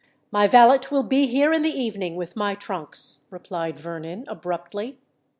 "My valet will be here in the evening with my trunks," replied Vernon, abruptly.